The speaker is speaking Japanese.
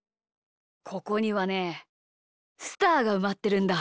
ここにはねスターがうまってるんだ。